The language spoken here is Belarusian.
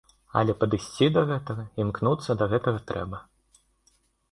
Але падысці да гэтага, імкнуцца да гэтага трэба.